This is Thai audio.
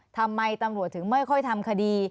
ทำไมตำรวจถึงไม่ค่อยทำคดี